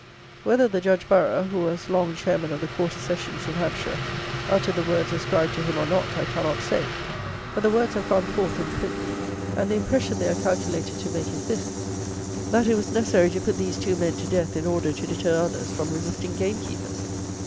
Whether the Judge Burrough (who was long Chairman of the Quarter Sessions in Hampshire), uttered the words ascribed to him, or not, I cannot say; but the words have gone forth in print, and the impression they are calculated to make is this: that it was necessary to put these two men to death, in order to deter others from resisting gamekeepers.